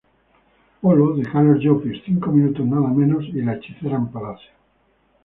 Polo", de Carlos Llopis; "Cinco minutos nada menos" y "La hechicera en palacio".